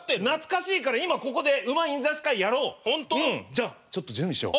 じゃちょっと準備しよう。